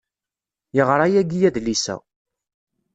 Yeɣra yagi adlis-a.